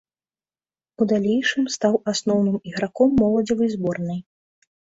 У далейшым стаў асноўным ігракм моладзевай зборнай.